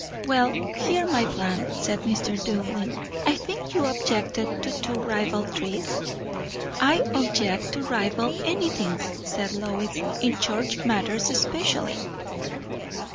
"Well, hear my plan," said Mr. Dillwyn. "I think you objected to two rival trees?" "I object to rival anythings," said Lois; "in church matters especially."